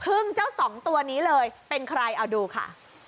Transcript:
เจ้าสองตัวนี้เลยเป็นใครเอาดูค่ะ